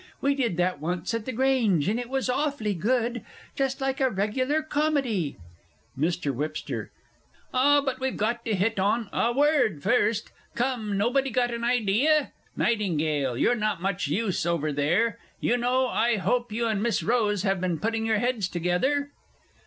We did that once at the Grange, and it was awfully good just like a regular Comedy! MR. WHIPSTER. Ah, but we've got to hit on a Word first. Come nobody got an idea? Nightingale, you're not much use over there, you know. I hope you and Miss Rose have been putting your heads together?